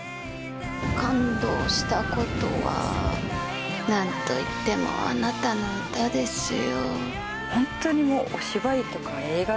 感動したことは何といってもあなたの歌ですよ。